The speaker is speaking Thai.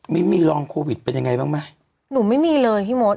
มีรองโควิดเป็นยังไงบ้างไหมหนูไม่มีเลยพี่มด